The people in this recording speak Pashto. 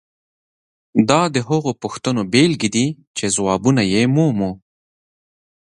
دا د هغو پوښتنو بیلګې دي چې ځوابونه یې مومو.